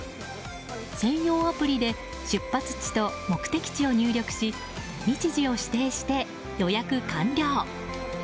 専用アプリで出発地と目的地を入力し日時を指定して予約完了。